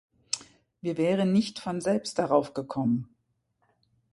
Wir wären nicht von selbst darauf gekommen.